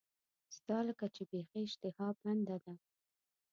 ستا لکه چې بیخي اشتها بنده ده.